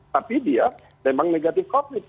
tapi dia memang negatif covid